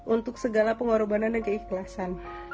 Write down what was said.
untuk segala pengorbanan dan keikhlasan